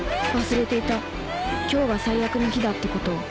忘れていた今日が最悪の日だってことを